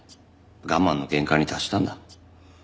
我慢の限界に達したんだ。